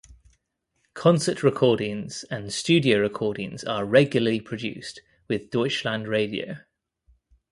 Concert recordings and studio recordings are regularly produced with Deutschlandradio.